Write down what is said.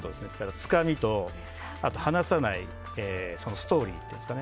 つかみと離さないストーリーというんですかね。